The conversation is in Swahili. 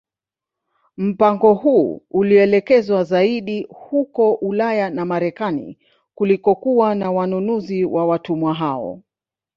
Mpango huu ulielekezwa zaidi huko Ulaya na Marekani kulikokuwa na wanunuzi wa watumwa hao